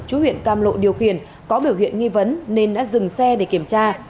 chú huyện cam lộ điều khiển có biểu hiện nghi vấn nên đã dừng xe để kiểm tra